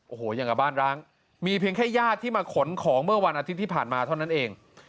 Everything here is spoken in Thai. โอ้โหอย่างกับบ้านร้างมีเพียงแค่ญาติที่มาขนของเมื่อวันอาทิตย์ที่ผ่านมาเท่านั้นเอง